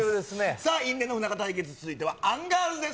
さあ、因縁の不仲対決、続いてはアンガールズです。